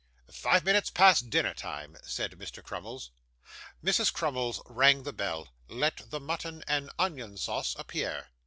'Five minutes past dinner time,' said Mr. Crummles. Mrs. Crummles rang the bell. 'Let the mutton and onion sauce appear.